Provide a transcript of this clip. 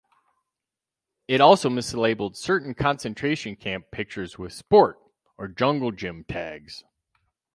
It also mislabeled certain concentration camp pictures with "sport" or "jungle gym" tags.